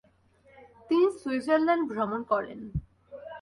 তিনি সুইজারল্যান্ড ভ্রমণ করেন।